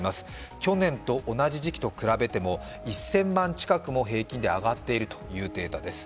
去年と同じ時期と比べても１０００万近くも平均で上がっているというデータです。